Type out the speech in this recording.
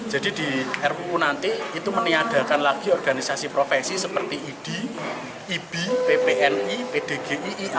jadi di ruu nanti itu meniadakan lagi organisasi profesi seperti id ib ppni pdgi ia